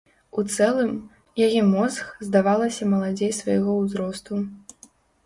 У цэлым, яе мозг, здавалася маладзей свайго ўзросту.